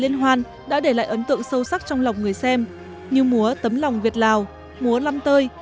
như múa tấm lòng việt lào múa lâm tơi